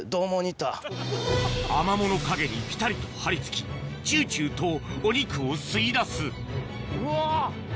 アマモの陰にぴたりと張り付きチュチュとお肉を吸い出すうわ！